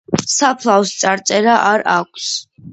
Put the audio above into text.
საფლავს წარწერა არ აქვს.